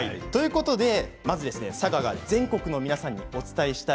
まず佐賀が全国の皆さんにお伝えしたい